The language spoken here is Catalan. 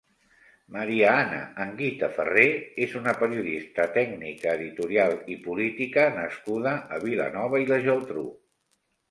María Ana Anguita Ferrer és una periodista, tècnica editorial i política nascuda a Vilanova i la Geltrú.